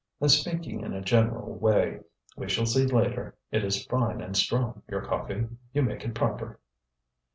"I'm speaking in a general way; we shall see later. It is fine and strong, your coffee; you make it proper."